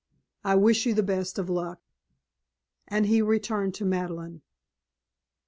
I wish you the best of luck." And he returned to Madeleine.